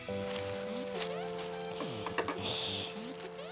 よし。